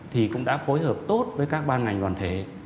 thì cũng đã phối hợp tốt với các ban ngành đoàn thể